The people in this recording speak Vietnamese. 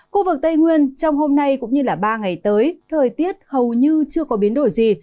khu vực tây nguyên trong hôm nay cũng như ba ngày tới thời tiết hầu như chưa có biến đổi gì